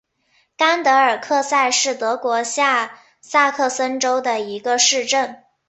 甘德尔克塞是德国下萨克森州的一个市镇。